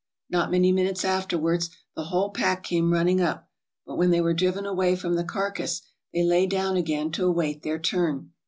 Not many minutes afterwards, the whole pack came running up; but when they were driven away from the carcass they lay down again to await their turn.